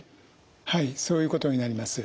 はいそういうことになります。